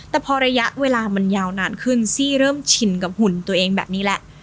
แต่พอระยะเวลามันยาวนานขึ้นซี่เริ่มชินกับหุ่นตัวเองแบบนี้แหละ